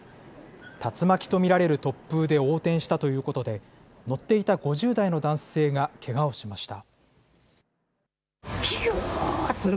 竜巻と見られる突風で横転したということで、乗っていた５０代の男性がけがをしました。